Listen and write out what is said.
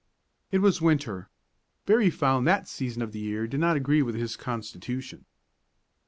It was winter. Berry found that season of the year did not agree with his constitution.